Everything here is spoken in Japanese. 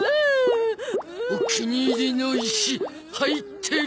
お気に入りの石入ってる。